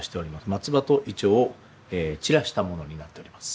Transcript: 松葉と銀杏を散らしたものになっております。